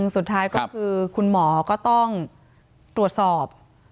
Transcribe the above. สุดท้ายก็คือคุณหมอก็ต้องตรวจสอบ